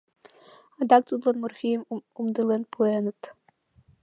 Адак тудлан морфийым умдылен пуэныт...